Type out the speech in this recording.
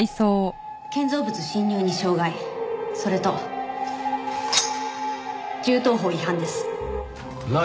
建造物侵入に傷害それと銃刀法違反です。